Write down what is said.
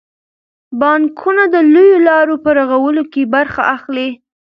بانکونه د لویو لارو په رغولو کې برخه اخلي.